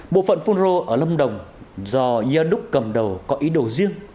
bộ phận phun rô ở lâm đồng do ya đúc cầm đầu có ý đồ riêng